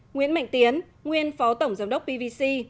nguyễn mạnh tiến nguyên phó tổng giám đốc pvc